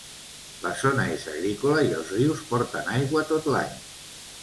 La zona és agrícola i els rius porten aigua tot l'any.